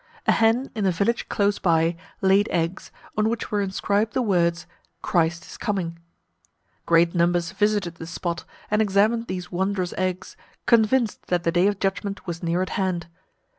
A hen, in a village close by, laid eggs, on which were inscribed the words, "Christ is coming." Great numbers visited the spot, and examined these wondrous eggs, convinced that the day of judgment was near at hand.